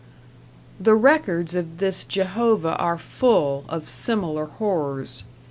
The records of this Jehovah are full of similar horrors.